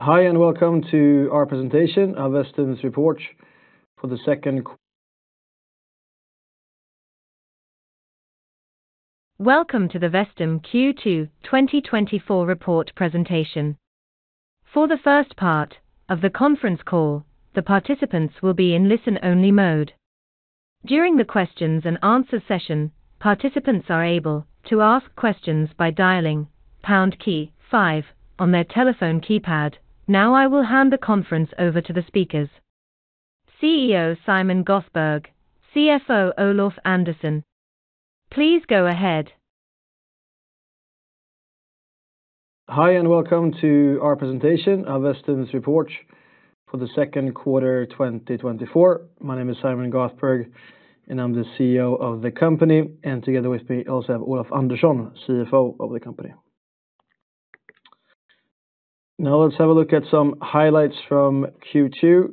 Hi, and welcome to our presentation, our Vestum report for the second qu- Welcome to the Vestum Q2 2024 report presentation. For the first part of the conference call, the participants will be in listen-only mode. During the questions and answer session, participants are able to ask questions by dialing pound key five on their telephone keypad. Now I will hand the conference over to the speakers. CEO Simon Göthberg, CFO Olof Andersson, please go ahead. Hi, and welcome to our presentation, our Vestum report for the second quarter, 2024. My name is Simon Göthberg, and I'm the CEO of the company, and together with me, also Olof Andersson, CFO of the company. Now let's have a look at some highlights from Q2.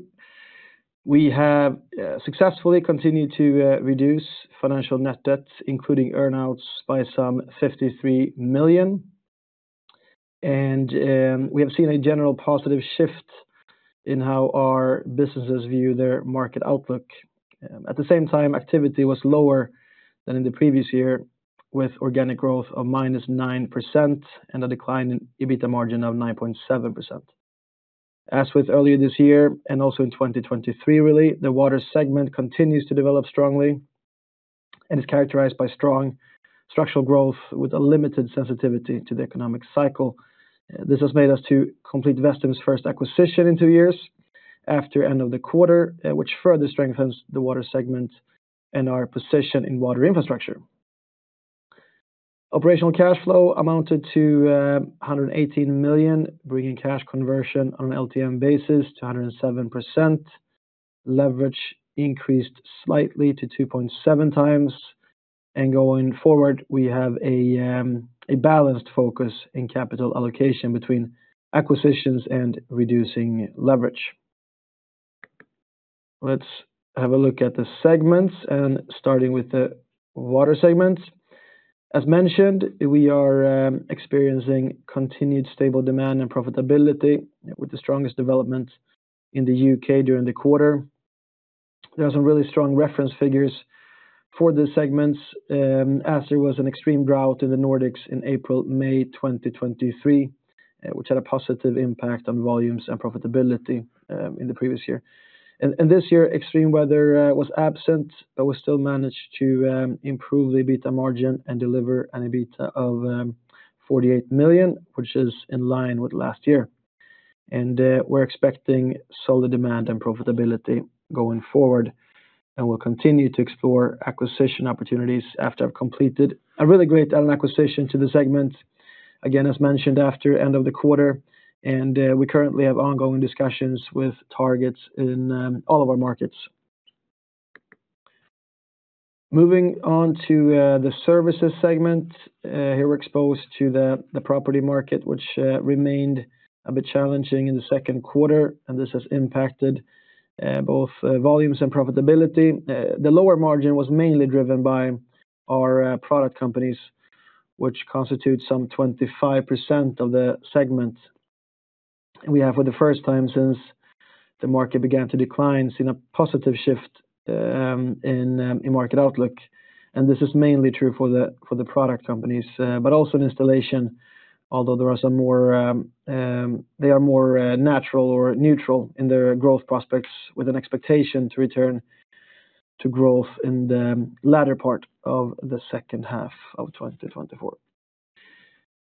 We have successfully continued to reduce financial net debts, including earn-outs, by some 53 million. We have seen a general positive shift in how our businesses view their market outlook. At the same time, activity was lower than in the previous year, with organic growth of -9% and a decline in EBITA margin of 9.7%. As with earlier this year, and also in 2023, really, the water segment continues to develop strongly and is characterized by strong structural growth with a limited sensitivity to the economic cycle. This has made us to complete Vestum's first acquisition in two years after end of the quarter, which further strengthens the Water segment and our position in water infrastructure. Operational cash flow amounted to 118 million, bringing cash conversion on an LTM basis to 107%. Leverage increased slightly to 2.7x, and going forward, we have a balanced focus in capital allocation between acquisitions and reducing leverage. Let's have a look at the segments and starting with the Water segment. As mentioned, we are experiencing continued stable demand and profitability, with the strongest development in the U.K. during the quarter. There are some really strong reference figures for the segments, as there was an extreme drought in the Nordics in April-May 2023, which had a positive impact on volumes and profitability, in the previous year. And this year, extreme weather was absent, but we still managed to improve the EBITA margin and deliver an EBITA of 48 million, which is in line with last year. And we're expecting solid demand and profitability going forward, and we'll continue to explore acquisition opportunities after I've completed a really great add-on acquisition to the segment. Again, as mentioned, after end of the quarter, and we currently have ongoing discussions with targets in all of our markets. Moving on to the Services segment, here we're exposed to the property market, which remained a bit challenging in the second quarter, and this has impacted both volumes and profitability. The lower margin was mainly driven by our product companies, which constitute some 25% of the segment. We have for the first time since the market began to decline, seen a positive shift in market outlook, and this is mainly true for the product companies, but also in installation, although there are some more, they are more natural or neutral in their growth prospects, with an expectation to return to growth in the latter part of the second half of 2024.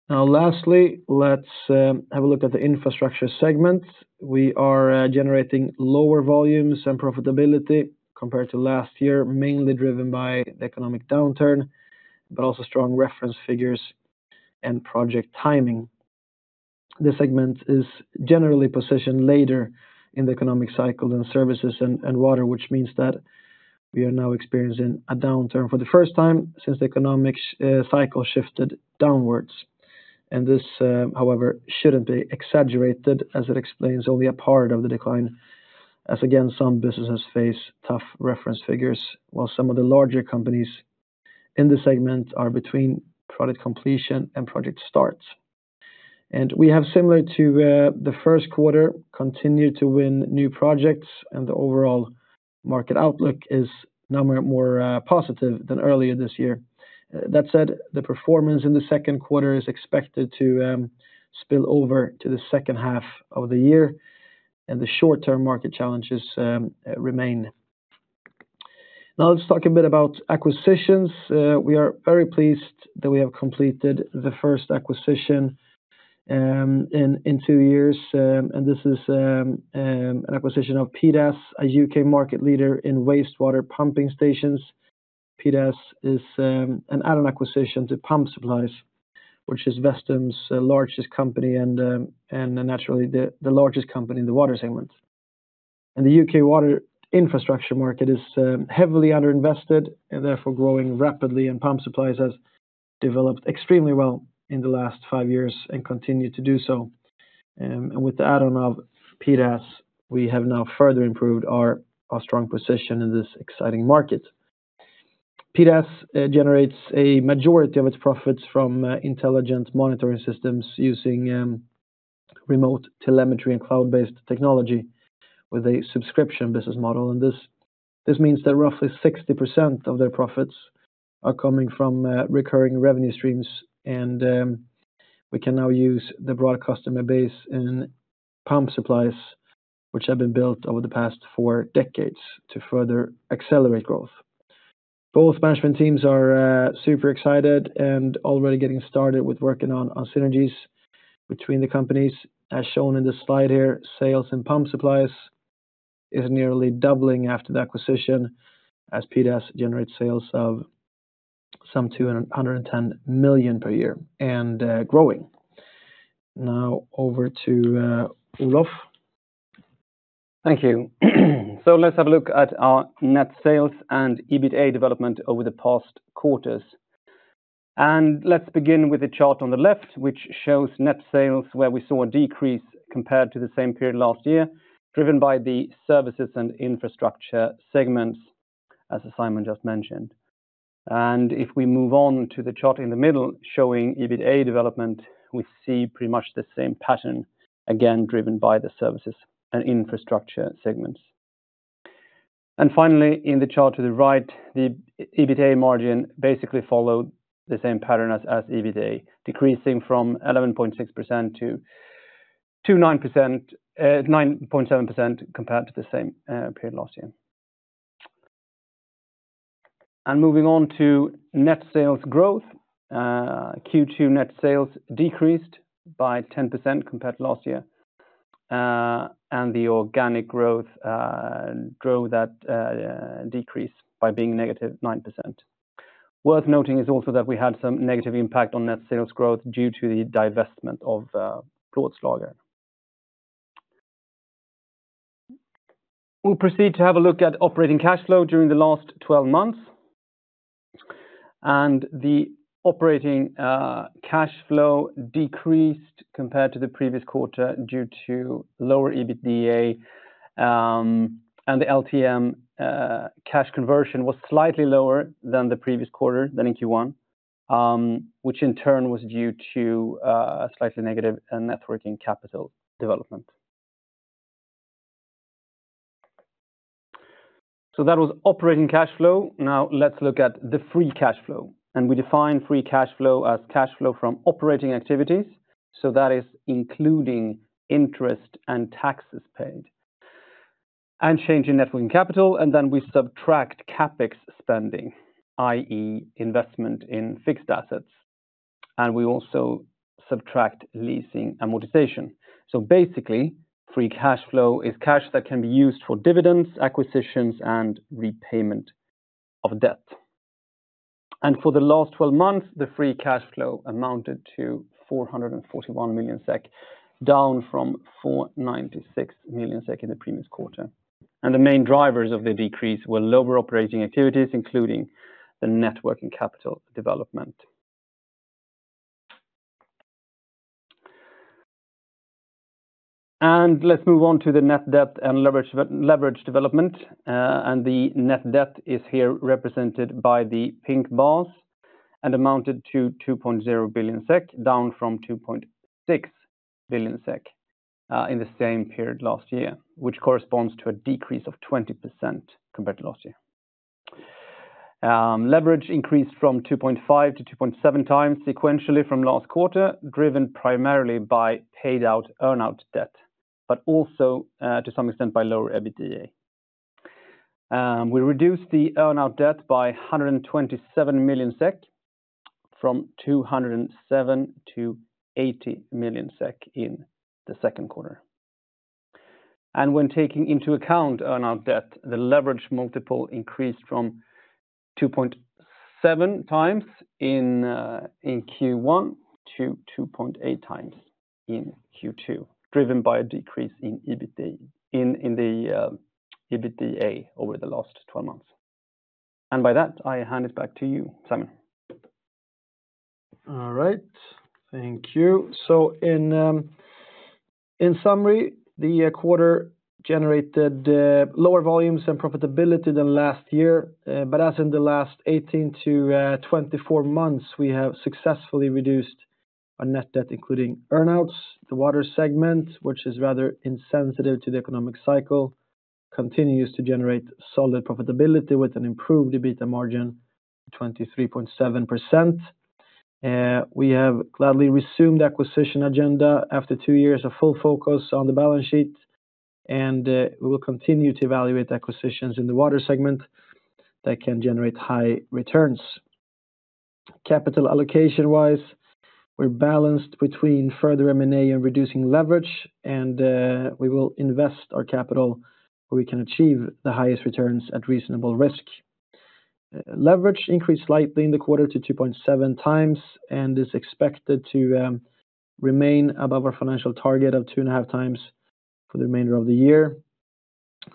Now, lastly, let's have a look at the Infrastructure segment. We are generating lower volumes and profitability compared to last year, mainly driven by the economic downturn, but also strong reference figures and project timing. The segment is generally positioned later in the economic cycle than Services and Water, which means that we are now experiencing a downturn for the first time since the economic cycle shifted downwards. This, however, shouldn't be exaggerated, as it explains only a part of the decline, as again, some businesses face tough reference figures, while some of the larger companies in the segment are between product completion and project start. We have, similar to the first quarter, continued to win new projects, and the overall market outlook is now more positive than earlier this year. That said, the performance in the second quarter is expected to spill over to the second half of the year, and the short-term market challenges remain. Now let's talk a bit about acquisitions. We are very pleased that we have completed the first acquisition in two years, and this is an acquisition of PDAS, a U.K. market leader in wastewater pumping stations. PDAS is an add-on acquisition to Pump Supplies, which is Vestum's largest company and naturally the largest company in the Water segment. And the U.K. water infrastructure market is heavily underinvested and therefore growing rapidly, and Pump Supplies has developed extremely well in the last five years and continued to do so. And with the add-on of PDAS, we have now further improved our strong position in this exciting market. PDAS generates a majority of its profits from intelligent monitoring systems using remote telemetry and cloud-based technology with a subscription business model. This means that roughly 60% of their profits are coming from recurring revenue streams, and we can now use the broad customer base in Pump Supplies, which have been built over the past four decades, to further accelerate growth. Both management teams are super excited and already getting started with working on synergies between the companies. As shown in this slide here, sales in Pump Supplies is nearly doubling after the acquisition, as PDAS generates sales of some 210 million per year and growing. Now over to Olof. Thank you. Let's have a look at our net sales and EBITA development over the past quarters. Let's begin with the chart on the left, which shows net sales, where we saw a decrease compared to the same period last year, driven by the services and infrastructure segments, as Simon just mentioned. If we move on to the chart in the middle showing EBITA development, we see pretty much the same pattern, again, driven by the services and infrastructure segments. Finally, in the chart to the right, the EBITA margin basically followed the same pattern as EBITA, decreasing from 11.6%-9.7% compared to the same period last year. Moving on to net sales growth, Q2 net sales decreased by 10% compared to last year. And the organic growth grew that decrease by being -9%. Worth noting is also that we had some negative impact on net sales growth due to the divestment of Plåtslager. We'll proceed to have a look at operating cash flow during the last 12 months. The operating cash flow decreased compared to the previous quarter due to lower EBITA, and the LTM cash conversion was slightly lower than the previous quarter than in Q1, which in turn was due to a slightly negative net working capital development. That was operating cash flow. Now let's look at the free cash flow, and we define free cash flow as cash flow from operating activities, so that is including interest and taxes paid, and change in net working capital, and then we subtract CapEx spending, i.e., investment in fixed assets, and we also subtract leasing amortization. So basically, free cash flow is cash that can be used for dividends, acquisitions, and repayment of debt. For the last 12 months, the free cash flow amounted to 441 million SEK, down from 496 million SEK in the previous quarter. The main drivers of the decrease were lower operating activities, including the net working capital development. Let's move on to the net debt and leverage, leverage development. The net debt is here represented by the pink bars and amounted to 2.0 billion SEK, down from 2.6 billion SEK in the same period last year, which corresponds to a decrease of 20% compared to last year. Leverage increased from 2.5x-2.7x sequentially from last quarter, driven primarily by paid out earn-out debt, but also to some extent by lower EBITA. We reduced the earn-out debt by 127 million SEK, from 207 million to 80 million SEK in the second quarter. When taking into account earn-out debt, the leverage multiple increased from 2.7x in Q1 to 2.8x in Q2, driven by a decrease in EBITA over the last 12 months. By that, I hand it back to you, Simon. All right, thank you. So in summary, the quarter generated lower volumes and profitability than last year, but as in the last 18 months-24 months, we have successfully reduced our net debt, including earn-outs. The Water segment, which is rather insensitive to the economic cycle, continues to generate solid profitability with an improved EBITA margin, 23.7%. We have gladly resumed the acquisition agenda after two years of full focus on the balance sheet, and we will continue to evaluate acquisitions in the Water segment that can generate high returns. Capital allocation-wise, we're balanced between further M&A and reducing leverage, and we will invest our capital where we can achieve the highest returns at reasonable risk. Leverage increased slightly in the quarter to 2.7x and is expected to remain above our financial target of 2.5x for the remainder of the year.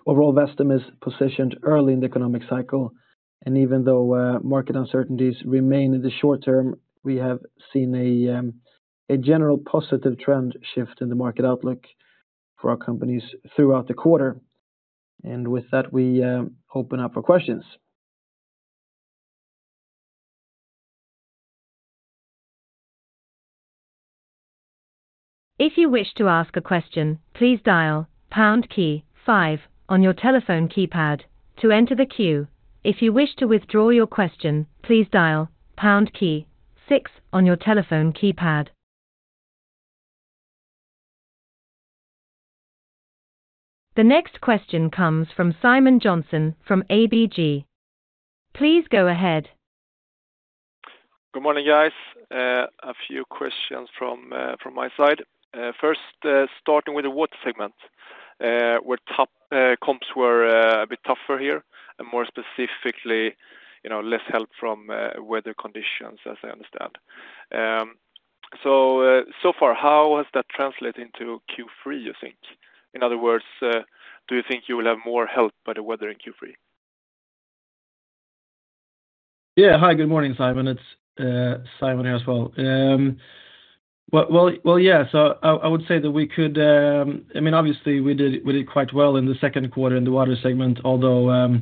Overall, Vestum is positioned early in the economic cycle, and even though market uncertainties remain in the short term, we have seen a general positive trend shift in the market outlook... for our companies throughout the quarter. And with that, we open up for questions. If you wish to ask a question, please dial pound key five on your telephone keypad to enter the queue. If you wish to withdraw your question, please dial pound key six on your telephone keypad. The next question comes from Simon Jönsson from ABG. Please go ahead. Good morning, guys. A few questions from my side. First, starting with the water segment, where top comps were a bit tougher here, and more specifically, you know, less help from weather conditions as I understand. So far, how has that translated into Q3, you think? In other words, do you think you will have more help by the weather in Q3? Yeah. Hi, good morning, Simon. It's Simon here as well. Well, yeah. So I would say that we could, I mean, obviously, we did quite well in the second quarter in the Water segment, although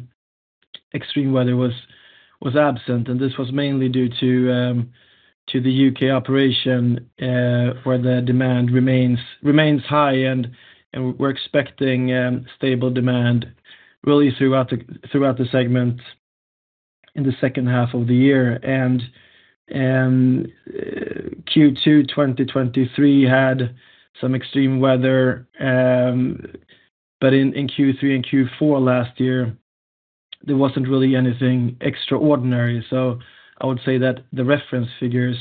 extreme weather was absent, and this was mainly due to the U.K. operation, where the demand remains high, and we're expecting stable demand really throughout the segment in the second half of the year. Q2, 2023 had some extreme weather, but in Q3 and Q4 last year, there wasn't really anything extraordinary. So I would say that the reference figures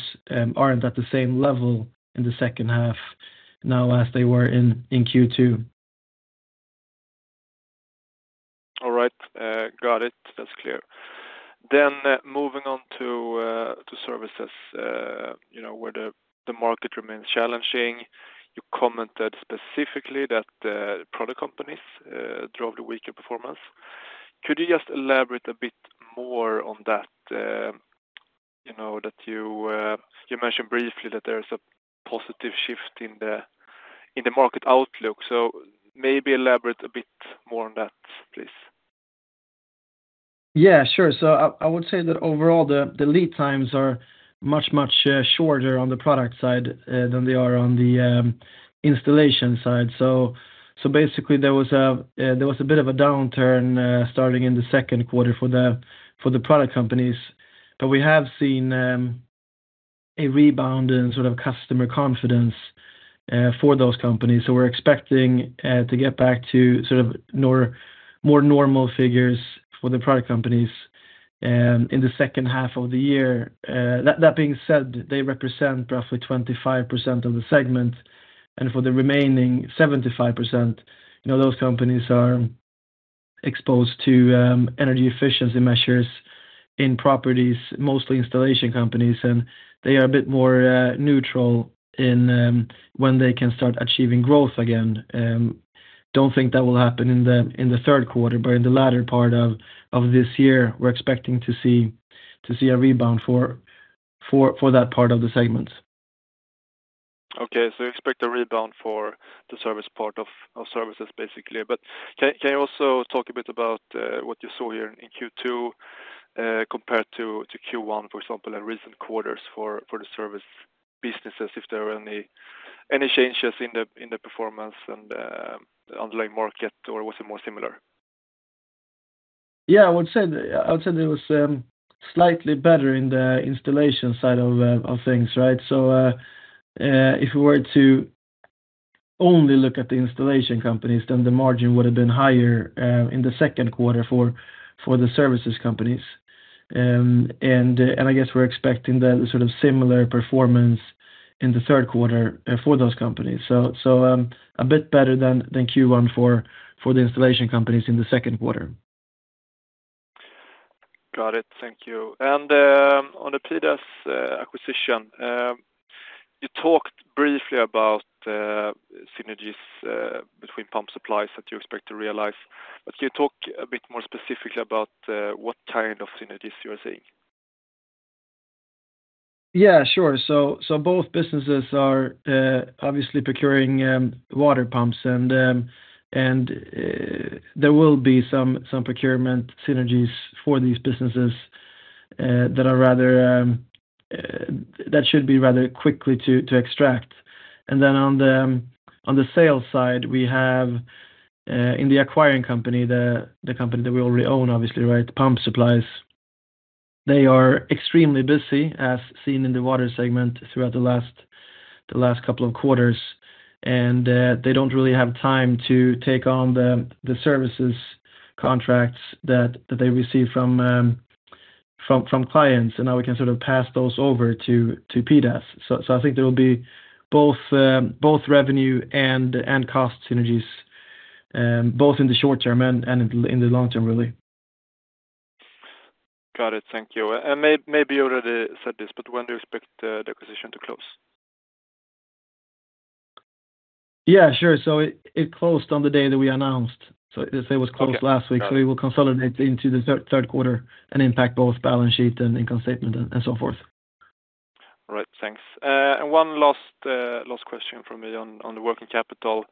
aren't at the same level in the second half now as they were in Q2. All right, got it. That's clear. Then moving on to services, you know, where the market remains challenging. You commented specifically that the product companies drove the weaker performance. Could you just elaborate a bit more on that? You know, that you mentioned briefly that there is a positive shift in the market outlook, so maybe elaborate a bit more on that, please. Yeah, sure. So I would say that overall, the lead times are much, much shorter on the product side than they are on the installation side. So basically, there was a bit of a downturn starting in the second quarter for the product companies. But we have seen a rebound in sort of customer confidence for those companies. So we're expecting to get back to sort of more normal figures for the product companies in the second half of the year. That being said, they represent roughly 25% of the segment, and for the remaining 75%, you know, those companies are exposed to energy efficiency measures in properties, mostly installation companies, and they are a bit more neutral in when they can start achieving growth again. Don't think that will happen in the third quarter, but in the latter part of this year, we're expecting to see a rebound for that part of the segment. Okay, so you expect a rebound for the service part of services, basically. But can you also talk a bit about what you saw here in Q2 compared to Q1, for example, and recent quarters for the service businesses, if there are any changes in the performance and the underlying market, or was it more similar? Yeah, I would say, I would say there was slightly better in the installation side of things, right? So, if we were to only look at the installation companies, then the margin would have been higher in the second quarter for the services companies. And I guess we're expecting the sort of similar performance in the third quarter for those companies. So, a bit better than Q1 for the installation companies in the second quarter. Got it. Thank you. And, on the PDAS acquisition, you talked briefly about synergies between Pump Supplies that you expect to realize. But can you talk a bit more specifically about what kind of synergies you are seeing? Yeah, sure. So both businesses are obviously procuring water pumps, and there will be some procurement synergies for these businesses that should be rather quickly to extract. And then on the sales side, we have in the acquiring company, the company that we already own, obviously, right, Pump Supplies. They are extremely busy, as seen in the Water segment throughout the last couple of quarters, and they don't really have time to take on the services contracts that they receive from clients, and now we can sort of pass those over to PDAS. So I think there will be both revenue and cost synergies both in the short term and in the long term, really. Got it. Thank you. And maybe you already said this, but when do you expect the acquisition to close? Yeah, sure. So it closed on the day that we announced. So as I said, it was closed last week, so we will consolidate into the third quarter and impact both balance sheet and income statement and so forth.... All right, thanks. And one last question from me on the working capital.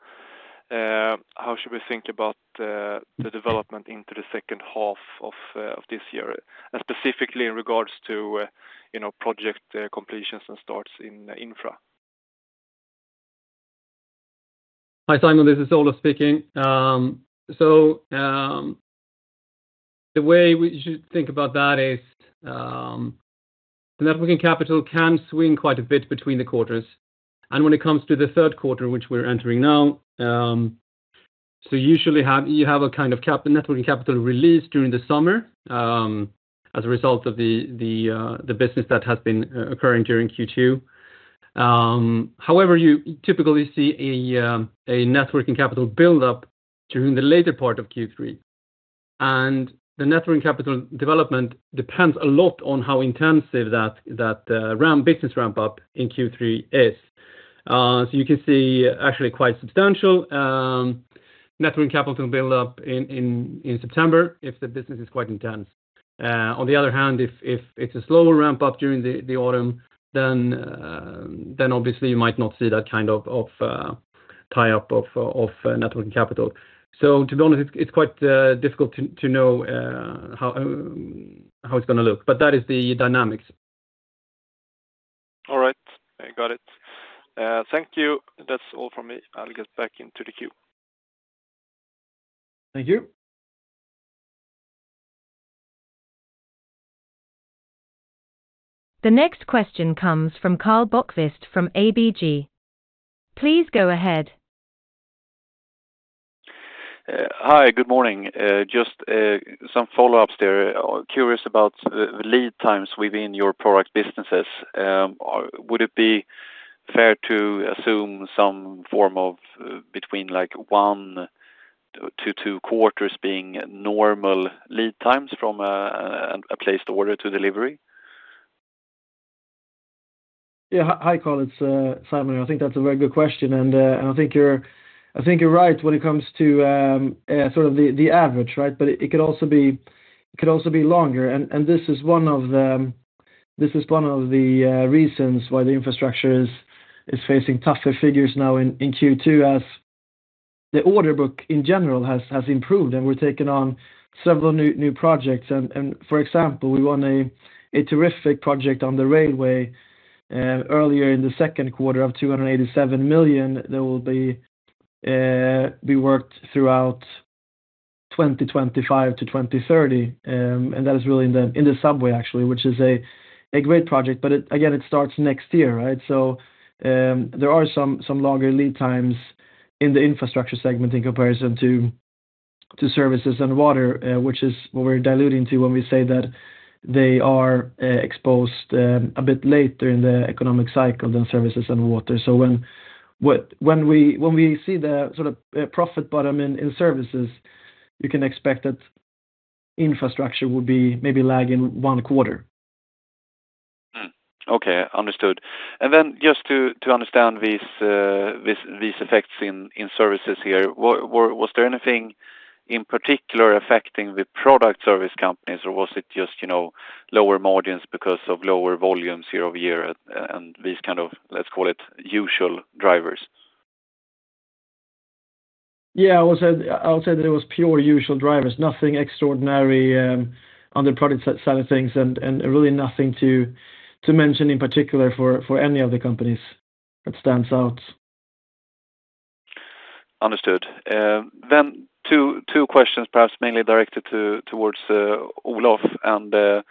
How should we think about the development into the second half of this year? And specifically in regards to, you know, project completions and starts in infra. Hi, Simon, this is Olof speaking. So, the way we should think about that is, the net working capital can swing quite a bit between the quarters, and when it comes to the third quarter, which we're entering now, so you usually have a kind of cap, the net working capital release during the summer, as a result of the business that has been occurring during Q2. However, you typically see a net working capital build up during the later part of Q3. And the net working capital development depends a lot on how intensive that business ramp up in Q3 is. So you can see actually quite substantial net working capital build up in September if the business is quite intense. On the other hand, if it's a slower ramp up during the autumn, then obviously you might not see that kind of tie-up of net working capital. So to be honest, it's quite difficult to know how it's gonna look, but that is the dynamics. All right. I got it. Thank you. That's all from me. I'll get back into the queue. Thank you. The next question comes from Karl Bokvist from ABG. Please go ahead. Hi, good morning. Just some follow-ups there. Curious about the lead times within your product businesses. Would it be fair to assume some form of between, like, one to two quarters being normal lead times from a placed order to delivery? Yeah. Hi, Karl, it's Simon. I think that's a very good question, and I think you're, I think you're right when it comes to sort of the average, right? But it could also be longer. And this is one of the reasons why the infrastructure is facing tougher figures now in Q2, as the order book in general has improved, and we're taking on several new projects. And for example, we won a terrific project on the railway earlier in the second quarter of 287 million. There will be worked throughout 2025 to 2030, and that is really in the subway, actually, which is a great project. But it again starts next year, right? So, there are some longer lead times in the Infrastructure segment in comparison to Services and Water, which is what we're alluding to when we say that they are exposed a bit later in the economic cycle than Services and Water. So when we see the sort of profit bottom in Services, you can expect that Infrastructure would be maybe lag in one quarter. Hmm. Okay, understood. And then just to understand these effects in services here, was there anything in particular affecting the product service companies, or was it just, you know, lower margins because of lower volumes year-over-year and these kind of, let's call it, usual drivers? Yeah, I would say that it was pure usual drivers. Nothing extraordinary on the product side of things, and really nothing to mention in particular for any of the companies that stands out. Understood. Then two questions, perhaps mainly directed towards Olof. The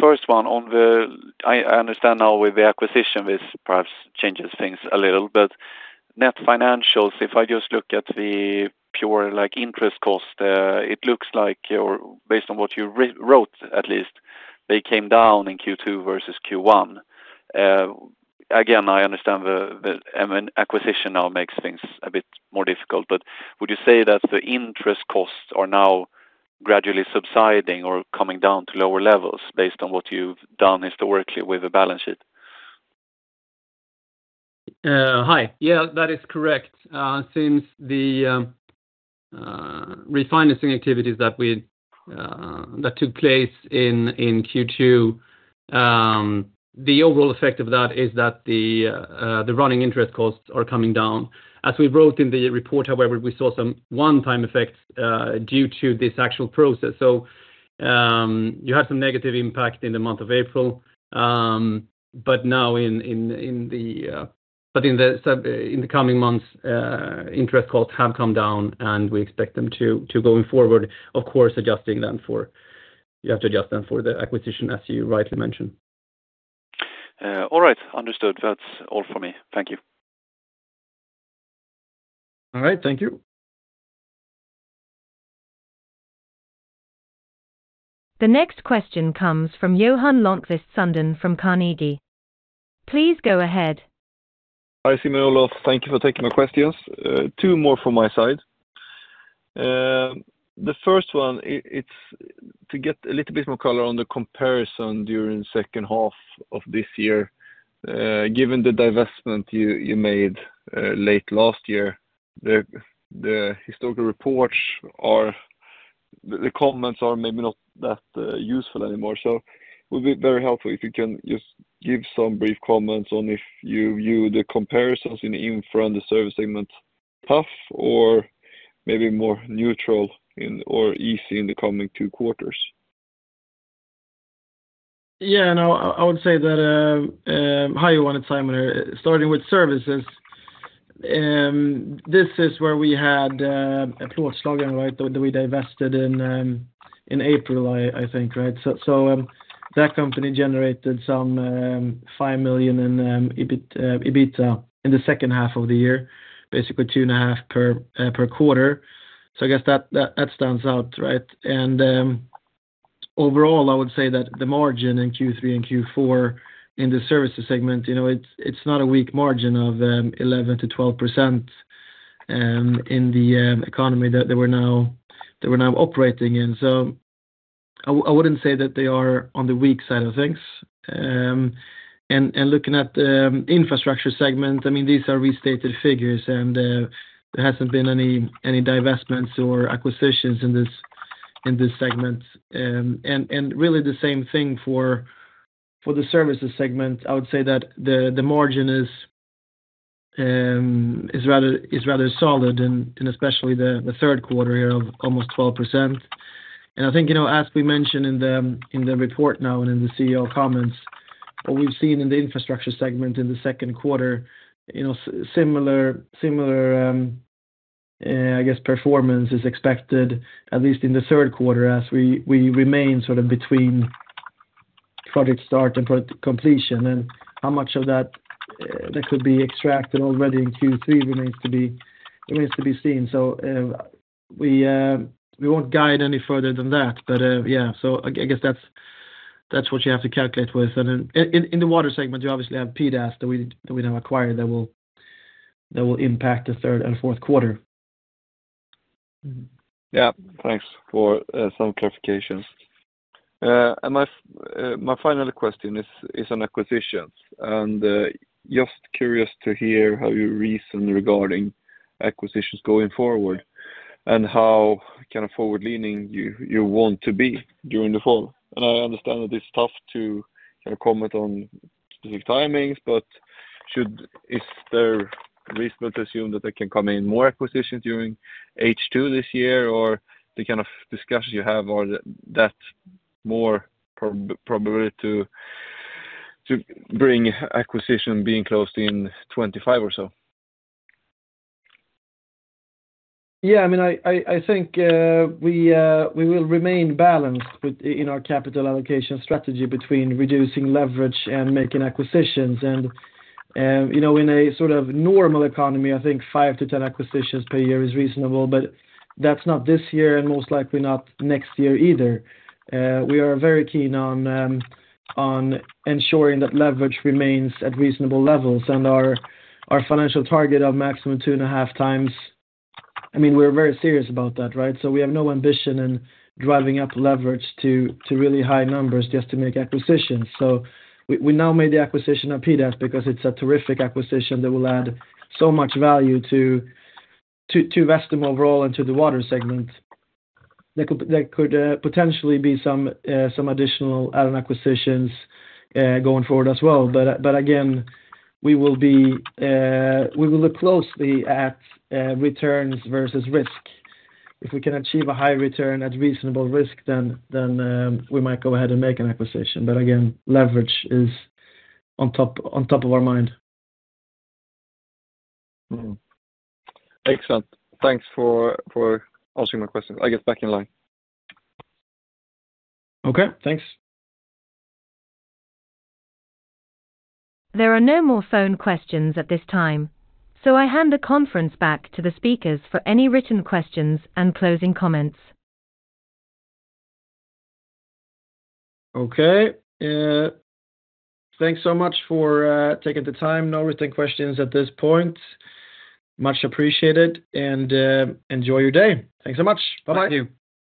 first one on the... I understand now with the acquisition, this perhaps changes things a little, but net financials, if I just look at the pure, like, interest cost, it looks like, or based on what you reported, at least, they came down in Q2 versus Q1. Again, I understand the acquisition now makes things a bit more difficult, but would you say that the interest costs are now gradually subsiding or coming down to lower levels based on what you've done historically with the balance sheet? Hi. Yeah, that is correct. Since the refinancing activities that we that took place in Q2, the overall effect of that is that the running interest costs are coming down. As we wrote in the report, however, we saw some one-time effects due to this actual process. So, you had some negative impact in the month of April, but now in the coming months, interest costs have come down, and we expect them to going forward, of course, adjusting them for - you have to adjust them for the acquisition, as you rightly mentioned. All right. Understood. That's all for me. Thank you. All right, thank you. The next question comes from Johan Lönnqvist Sundén from Carnegie. Please go ahead. Hi, Simon and Olof. Thank you for taking my questions. Two more from my side. The first one, it's to get a little bit more color on the comparison during second half of this year, given the divestment you made, late last year. The comments are maybe not that useful anymore, so it would be very helpful if you can just give some brief comments on if you view the comparisons in front of the service segment, tough or maybe more neutral or easy in the coming two quarters? Yeah, no, I would say that, how you want it, Simon, starting with services, this is where we had a Plåtslager, right, that we divested in April, I think, right? So, that company generated some 5 million in EBIT, EBITA in the second half of the year, basically 2.5 per quarter. So I guess that stands out, right? And, overall, I would say that the margin in Q3 and Q4 in the services segment, you know, it's not a weak margin of 11%-12%, in the economy that they were now operating in. So I wouldn't say that they are on the weak side of things. Looking at the infrastructure segment, I mean, these are restated figures, and there hasn't been any divestments or acquisitions in this segment. Really the same thing for the services segment, I would say that the margin is rather solid, and especially the third quarter here of almost 12%. And I think, you know, as we mentioned in the report now and in the CEO comments, what we've seen in the infrastructure segment in the second quarter, you know, similar performance is expected, at least in the third quarter, as we remain sort of between project start and project completion, and how much of that could be extracted already in Q3 remains to be seen. So, we won't guide any further than that, but, yeah, so I guess that's what you have to calculate with. And in the water segment, you obviously have PDAS that we now acquired that will impact the third and fourth quarter. Mm-hmm. Yeah. Thanks for some clarifications. And my final question is on acquisitions. Just curious to hear how you reason regarding acquisitions going forward, and how kind of forward-leaning you want to be during the fall. And I understand that it's tough to kind of comment on specific timings, but is there reasonable to assume that they can come in more acquisitions during H2 this year, or the kind of discussions you have or that more probability to bring acquisition being closed in 25 or so? Yeah, I mean, I think, we will remain balanced within our capital allocation strategy between reducing leverage and making acquisitions. And, you know, in a sort of normal economy, I think 5-10 acquisitions per year is reasonable, but that's not this year, and most likely not next year either. We are very keen on ensuring that leverage remains at reasonable levels, and our financial target of maximum 2.5x... I mean, we're very serious about that, right? So we have no ambition in driving up leverage to really high numbers just to make acquisitions. So we now made the acquisition of PDAS because it's a terrific acquisition that will add so much value to Vestum overall and to the Water segment. There could potentially be some additional add-on acquisitions going forward as well. But again, we will look closely at returns versus risk. If we can achieve a high return at reasonable risk, then we might go ahead and make an acquisition, but again, leverage is on top of our mind. Mm-hmm. Excellent. Thanks for answering my question. I get back in line. Okay, thanks. There are no more phone questions at this time, so I hand the conference back to the speakers for any written questions and closing comments. Okay. Thanks so much for taking the time. No written questions at this point. Much appreciated, and enjoy your day. Thanks so much. Bye-bye. Thank you.